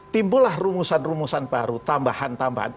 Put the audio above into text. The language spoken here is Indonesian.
timbulah rumusan rumusan baru tambahan tambahan